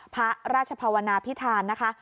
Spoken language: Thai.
พระราชภาวนาพิธานนะคะ